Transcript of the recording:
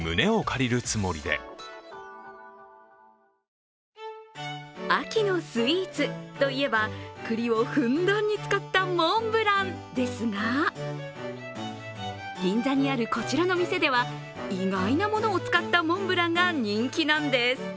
その理由が秋のスイーツといえばくりをふんだんに使ったモンブランですが銀座にあるこちらの店では、意外なものを使ったモンブランが人気なんです。